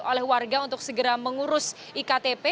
oleh warga untuk segera mengurus iktp